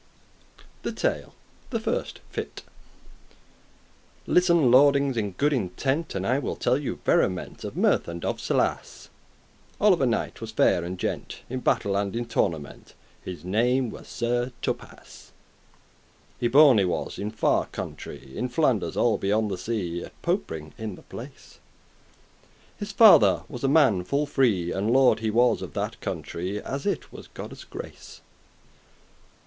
THE TALE <1> The First Fit* *part Listen, lordings, in good intent, And I will tell you verrament* *truly Of mirth and of solas,* *delight, solace All of a knight was fair and gent,* *gentle In battle and in tournament, His name was Sir Thopas. Y born he was in far country, In Flanders, all beyond the sea, At Popering <2> in the place; His father was a man full free, And lord he was of that country, As it was Godde's grace.